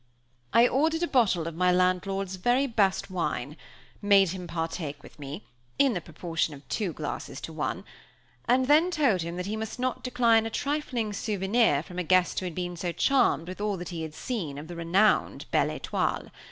I ordered a bottle of my landlord's very best wine; made him partake with me, in the proportion of two glasses to one; and then told him that he must not decline a trifling souvenir from a guest who had been so charmed with all he had seen of the renowned Belle Étoile.